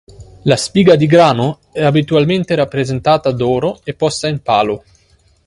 La spiga di grano è abitualmente rappresentata d'oro e posta in palo.